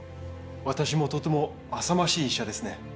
私もとてもあさましい医者ですね。